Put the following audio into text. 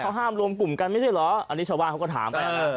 เขาห้ามรวมกลุ่มกันไม่ใช่เหรออันนี้ชาวบ้านเขาก็ถามไป